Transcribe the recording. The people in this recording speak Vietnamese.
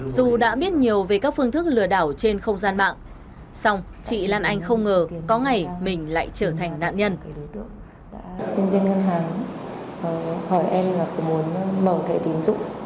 dù đã biết nhiều về các phương thức lừa đảo trên không gian mạng xong chị lan anh không ngờ có ngày mình lại trở thành nạn nhân